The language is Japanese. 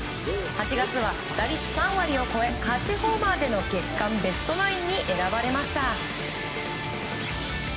８月は打率３割を超え８ホーマーでの月間ベストナインに選ばれました。